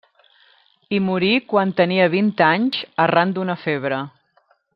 Hi morí quan tenia vint anys, arran d'una febre.